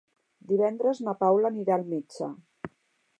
Divendres na Paula anirà al metge.